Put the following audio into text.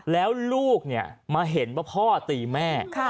แล้วลูกมาเห็นว่าพ่อตีแม่